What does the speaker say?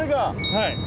はい。